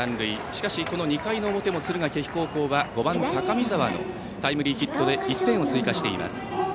しかし、２回の表も敦賀気比高校は５番、高見澤のタイムリーヒットで１点を追加しています。